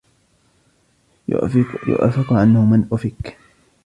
يؤفك عنه من أفك